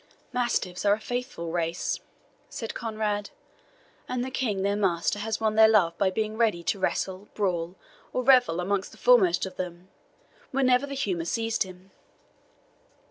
"Mastiffs are a faithful race," said Conrade; "and the King their Master has won their love by being ready to wrestle, brawl, or revel amongst the foremost of them, whenever the humour seized him."